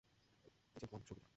Agent one, শুভ বিদায়।